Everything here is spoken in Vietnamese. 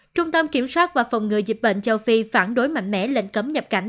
trung tâm kiểm soát và phòng ngừa dịch bệnh châu phi phản đối mạnh mẽ lệnh cấm nhập cảnh